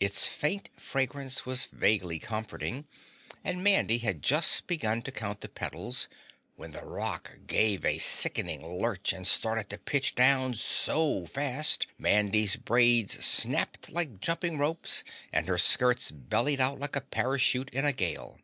Its faint fragrance was vaguely comforting and Mandy had just begun to count the petals, when the rock gave a sickening lurch and started to pitch down so fast Mandy's braids snapped like jumping ropes and her skirts bellied out like a parachute in a gale.